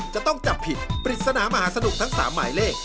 จะต้องจับผิดปริศนามหาสนุกทั้ง๓หมายเลข